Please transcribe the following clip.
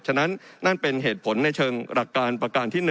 ฉะนั้นนั่นเป็นเหตุผลในเชิงหลักการประการที่๑